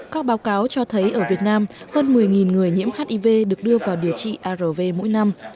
các báo cáo cho thấy ở việt nam hơn một mươi người nhiễm hiv được đưa vào điều trị arv mỗi năm